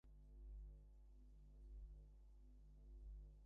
নিশ্চয়ই কোনো- একটা ঝামেলা হয়েছে, যে জন্যে আসতে পারছে না।